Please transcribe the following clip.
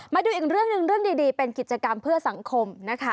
มาดูอีกเรื่องหนึ่งเรื่องดีเป็นกิจกรรมเพื่อสังคมนะคะ